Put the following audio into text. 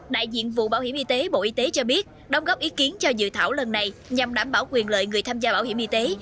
đại diện vụ bảo hiểm y tế bộ y tế cho biết đóng góp ý kiến cho dự thảo lần này nhằm đảm bảo quyền lợi người tham gia bảo hiểm y tế